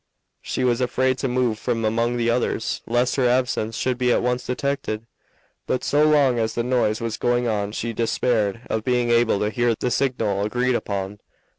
She was afraid to move from among the others lest her absence should be at once detected, but so long as the noise was going on she despaired of being able to hear the signal agreed upon.